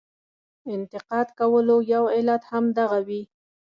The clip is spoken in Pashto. انتقاد کولو یو علت هم دغه وي.